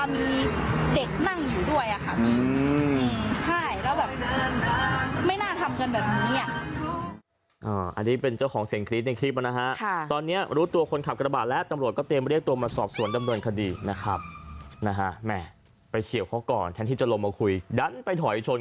ไม่น่าทำกันแบบนี้